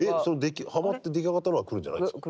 はまって出来上がったのが来るんじゃないんですか？